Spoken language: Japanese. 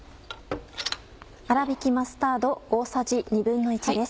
あらびきマスタード大さじ１／２です。